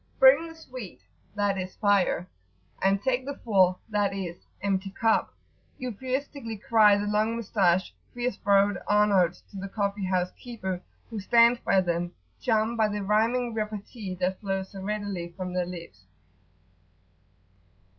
"Bring the sweet" (i.e. fire), "and take the full,"[FN#19] (i.e., empty cup), euphuistically cry the long moustached, fierce browed Arnauts to the coffee house keeper, who stands by them charmed by the rhyming repartee that flows so readily from their lips.